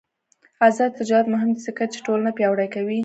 آزاد تجارت مهم دی ځکه چې ټولنه پیاوړې کوي.